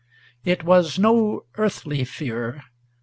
It was no earthly fear.